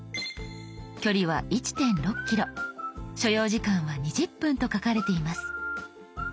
距離は１．６ｋｍ所要時間は２０分と書かれています。